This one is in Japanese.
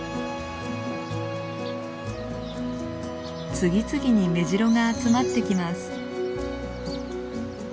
次々にメジロが集まってきます。